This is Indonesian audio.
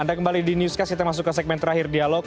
anda kembali di newscast kita masuk ke segmen terakhir dialog